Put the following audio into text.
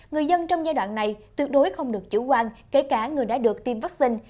người dân trong giai đoạn này tuyệt đối không được chủ quan kể cả người đã được tiêm vaccine